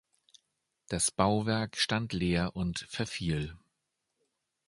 Das Bauwerk stand leer und verfiel.